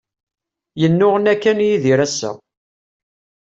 Yennuɣna kan Yidir ass-a.